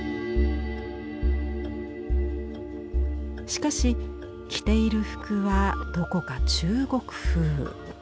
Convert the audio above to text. しかし着ている服はどこか中国風。